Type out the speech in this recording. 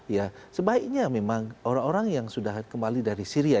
ya sebaiknya memang orang orang yang sudah kembali dari syria